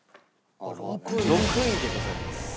６位でございます。